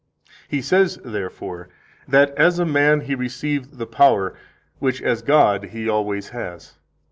He says, therefore, that as a man He received the power, which as God He always has.